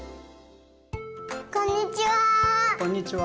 こんにちは。